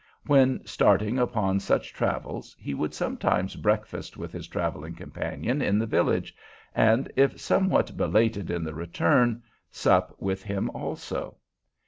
When starting upon such travels, he would sometimes breakfast with his traveling companion in the village, and, if somewhat belated in the return, sup with him also.